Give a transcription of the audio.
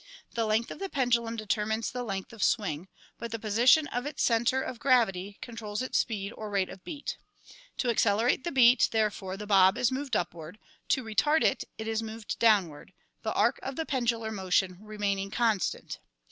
The length of the pendulum de termines the length of swing, but the position of its center of gravity controls its speed or rate of beat. To accelerate the beat, therefore, the bob is moved upward, to retard it, it is moved down ward, the arc of pendular motion remaining constant.